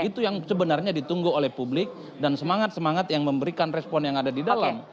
itu yang sebenarnya ditunggu oleh publik dan semangat semangat yang memberikan respon yang ada di dalam